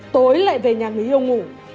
tối lại về nhà người yêu ngủ